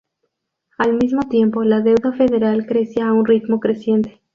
Al mismo tiempo, la deuda federal crecía a un ritmo creciente.